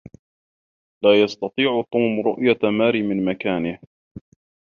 لا يستطيع توم رؤية ماري من مكانه.